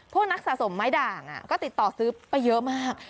นักสะสมไม้ด่างก็ติดต่อซื้อไปเยอะมาก